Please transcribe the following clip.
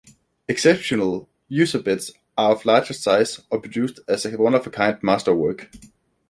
Exceptional ushabtis are of larger size, or produced as a one-of-a-kind master work.